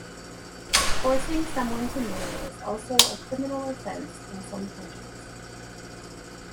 Forcing someone to marry is also a criminal offense in some countries.